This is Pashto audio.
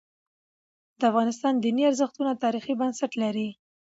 د افغانستان دیني ارزښتونه تاریخي بنسټ لري.